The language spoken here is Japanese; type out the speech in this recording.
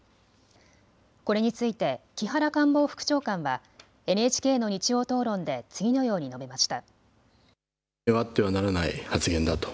これについて木原官房副長官はＮＨＫの日曜討論で次のように述べました。